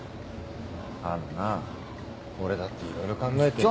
あのな俺だっていろいろ考えて。